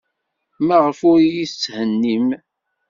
Maɣef ur iyi-tetthennim?